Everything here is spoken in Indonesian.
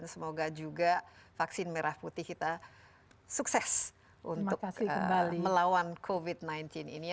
semoga juga vaksin merah putih kita sukses untuk melawan covid sembilan belas ini